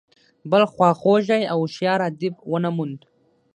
بل خواخوږی او هوښیار ادیب ونه موند.